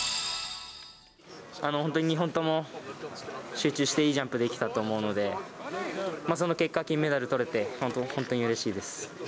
本当に２本とも集中していいジャンプできたと思うので、その結果、金メダルとれて、本当にうれしいです。